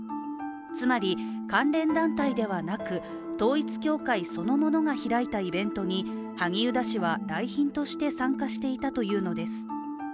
つまり、関連団体ではなく統一教会そのものが開いたイベントに萩生田氏は来賓として参加していたというのです。